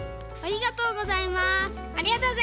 わあありがとうございます。